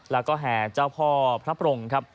แล้วก็แห่เจ้าพ่อพระปรงครับ